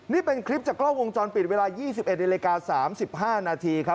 นี่เป็นคลิปจากกล้องวงจรปิดเวลา๒๑นาฬิกา๓๕นาทีครับ